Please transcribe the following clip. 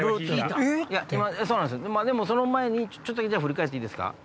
でもその前にちょっと振り返っていいですか。